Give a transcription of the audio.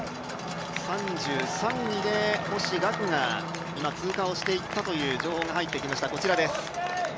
３３位で星岳が今、通過していったという情報が入ってきました。